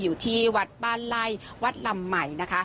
ก็จะอยู่ที่วัดบ้านไลยวัดลำไหม